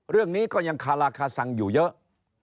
เรื่องนี้ก็ยังคาราคาซังอยู่เยอะ